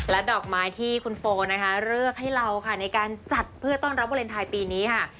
ดอกไม้ที่คุณโฟนะคะเลือกให้เราค่ะในการจัดเพื่อต้อนรับวาเลนไทยปีนี้ค่ะ